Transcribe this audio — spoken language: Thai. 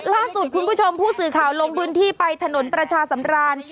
ล่าสุดคุณผู้ชมผู้สื่อข่าวลงพื้นที่ไปถนนประชาสำราน